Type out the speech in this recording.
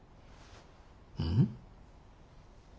うん？